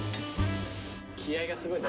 気合がすごいんだ。